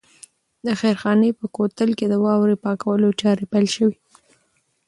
د خیرخانې په کوتل کې د واورې پاکولو چارې پیل شوې.